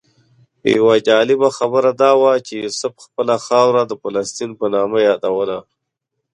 یوه جالبه خبره دا وه چې یوسف خپله خاوره د فلسطین په نامه یادوله.